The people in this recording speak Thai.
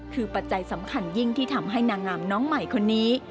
คือปัจจัยสำคัญยิ่งที่ทำให้นางงามน้องใหม่คนนี้